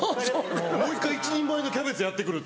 もう１回１人前のキャベツやって来るっていう。